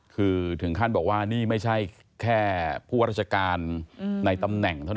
คือถึงขั้นบอกว่านี่ไม่ใช่แค่ผู้ราชการในตำแหน่งเท่านั้น